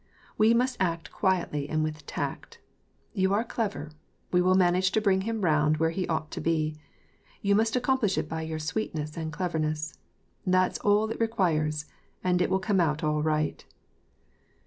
We must act quietly and with tact. You are clever ; we will manage to bring him round where he ought to be. You must accomplish it by your sweetness and cleverness. That's all it requires, and it will come out all right."